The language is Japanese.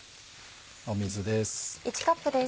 水です。